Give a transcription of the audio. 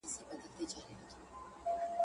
اوس له شپو سره راځي اغزن خوبونه.